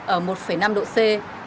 ở mức tăng nhiệt độ trung bình trên toàn cầu